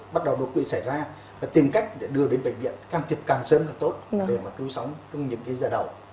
bắt đầu đột quỵ xảy ra và tìm cách để đưa đến bệnh viện can thiệp càng sớm càng tốt để mà cứu sống trong những giờ đầu